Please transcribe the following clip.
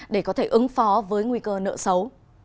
để có thể ứng phó với nguy cơ nợ xấu